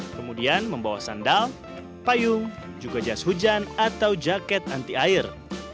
kemudian membawa sandal payung juga jas hujan atau jaket anti air